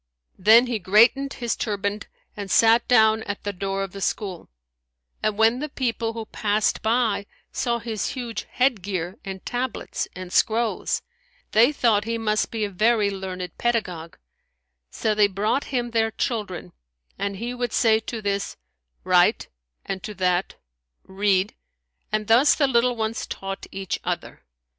Then he greatened his turband[FN#172] and sat down at the door of the school; and when the people, who passed by, saw his huge head gear and tablets and scrolls, they thought he must be a very learned pedagogue; so they brought him their children; and he would say to this, "Write," and to that "Read"; and thus the little ones taught each other.